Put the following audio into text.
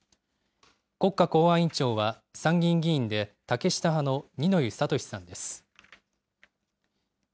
国家公安委員長は参議院議員で竹下派の二之湯智さんです。